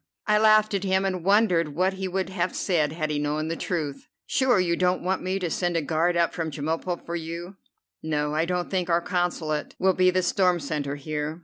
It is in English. I laughed at him, and wondered what he would have said had he known the truth. "Sure you don't want me to send a guard up from Chemulpo for you?" "No, I don't think our consulate will be the storm center here.